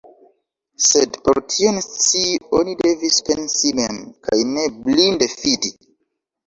Sed por tion scii, oni devis pensi mem, kaj ne blinde fidi.